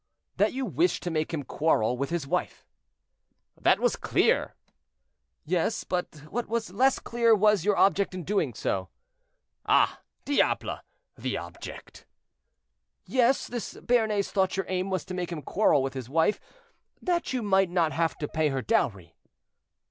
"That you wished to make him quarrel with his wife." "That was clear." "Yes; but what was less clear was your object in doing so." "Ah! diable! the object—" "Yes, this Béarnais thought your aim was to make him quarrel with his wife, that you might not have to pay her dowry."